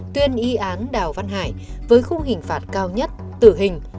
tuyên y án đào văn hải với khung hình phạt cao nhất tử hình